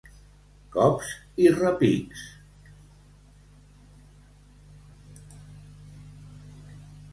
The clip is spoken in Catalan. Cops i repics.